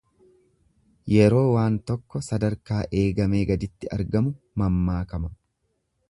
Yeroo waan tokko sadarkaa eegamee gaditti argamu mammaakama.